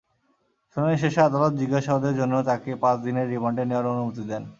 শুনানি শেষে আদালত জিজ্ঞাসাবাদের জন্য তাঁকে পাঁচ দিনের রিমান্ডে নেওয়ার অনুমতি দেন।